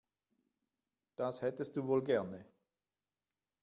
Das hättest du wohl gerne.